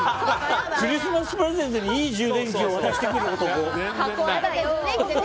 クリスマスプレゼントにいい充電器を渡してくる男。